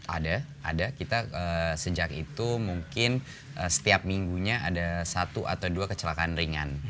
ada ada kita sejak itu mungkin setiap minggunya ada satu atau dua kecelakaan ringan